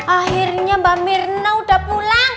akhirnya mbak mirna udah pulang